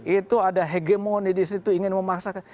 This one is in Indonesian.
itu ada hegemoni di situ ingin memaksakan